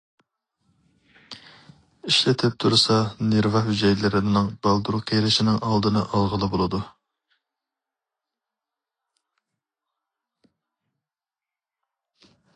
ئىشلىتىپ تۇرسا نېرۋا ھۈجەيرىلىرىنىڭ بالدۇر قېرىشىنىڭ ئالدىنى ئالغىلى بولىدۇ.